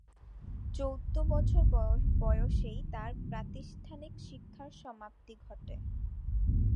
চৌদ্দ বছর বয়সেই তার প্রাতিষ্ঠানিক শিক্ষার সমাপ্তি ঘটে।